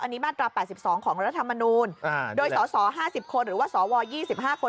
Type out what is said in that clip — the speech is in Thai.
อันนี้มาตรา๘๒ของรัฐมนูลโดยสส๕๐คนหรือว่าสว๒๕คน